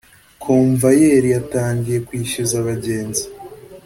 komvayeri yatangiye kwishyuza abagenzi